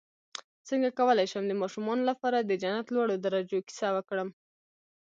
څنګه کولی شم د ماشومانو لپاره د جنت لوړو درجو کیسه وکړم